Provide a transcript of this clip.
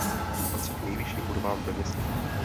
Patří k nejvyšším budovám ve městě.